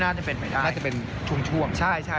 น่าจะเป็นชุ่มช่วง